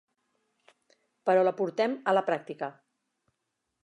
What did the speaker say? Però la portem a la pràctica.